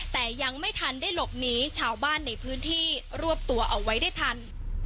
แต่ยังไม่ทันได้หลบหนีชาวบ้านในพื้นที่รวบตัวเอาไว้ได้ทัน